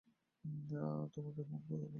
তোমাকে ফোন করে বলে দেবো।